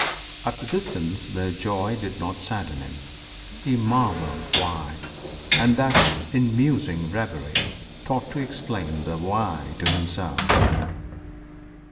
At the distance their joy did not sadden him he marveled why; and thus, in musing reverie, thought to explain the why to himself.